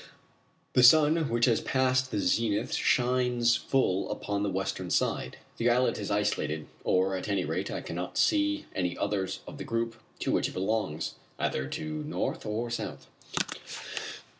The sun which has passed the zenith, shines full upon the western side. The islet is isolated, or at any rate I cannot see any others of the group to which it belongs, either to north or south.